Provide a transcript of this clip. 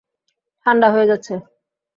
ঠান্ডা হয়ে যাচ্ছে।